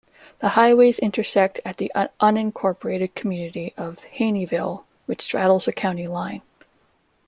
The highways intersect at the unincorporated community of Haneyville, which straddles the county line.